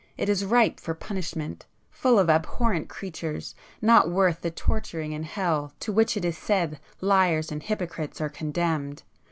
It is ripe for punishment,—full of abhorrent creatures not worth the torturing in hell to which it is said liars and hypocrites are condemned!